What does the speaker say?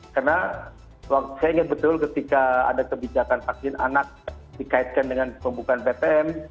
karena saya ingat betul ketika ada kebijakan vaksin anak dikaitkan dengan pembukaan ptm